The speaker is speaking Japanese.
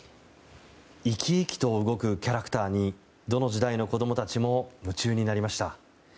生き生きと動くキャラクターにどの時代の子供たちも夢中になりました。